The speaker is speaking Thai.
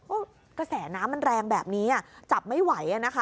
อู้วกระแสน้ำมันแรงแบบนี้จับไม่ไหว